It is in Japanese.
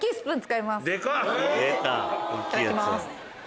いただきます。